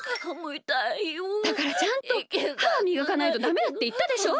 だからちゃんとははみがかないとダメだっていったでしょ！